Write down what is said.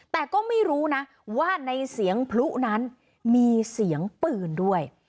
แต่ก็ไม่รู้นะว่าในเสียงพลุนั้นมีเสียงปืนด้วย